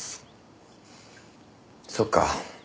そっか。